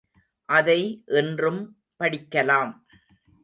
அதை இன்றும் படிக்கலாம்.